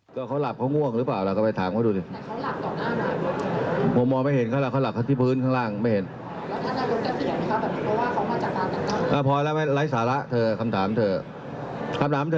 พวกหลับก็ไปนอนที่บ้าน